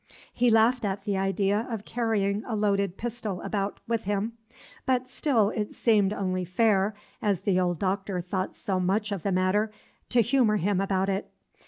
He laughed at the idea of carrying a loaded pistol about with him; but still it seemed only fair, as the old Doctor thought so much of the matter, to humor him about it.